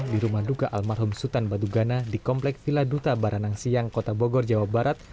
di rumah duka almarhum sultan batugana di komplek vila duta baranang siang kota bogor jawa barat